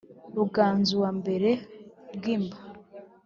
ruganzuwa mbere bwimba